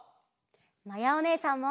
まやおねえさんも！